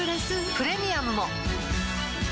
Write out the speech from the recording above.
プレミアムも